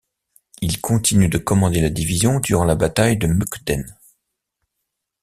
Il continue de commander la division durant la bataille de Mukden.